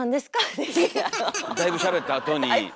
だいぶしゃべったあとに。